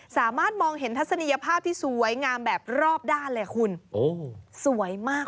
สามารถมองเห็นทัศนียภาพที่สวยงามแบบรอบด้านเลยคุณโอ้สวยมาก